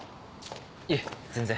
いえ全然。